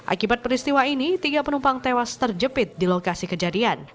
akibat peristiwa ini tiga penumpang tewas terjepit di lokasi kejadian